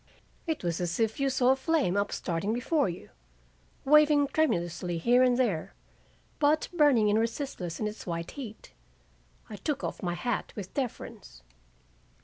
It was as if you saw a flame upstarting before you, waving tremulously here and there, but burning and resistless in its white heat. I took off my hat with deference.